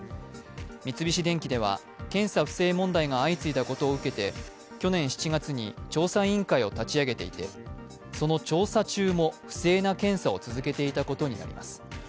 三菱電機では検査不正問題が相次いだことを受けて去年７月に調査委員会を立ち上げていてその調査中も不正な検査を続けていたことになります。